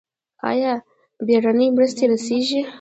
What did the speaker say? آیا بیړنۍ مرستې رسیږي؟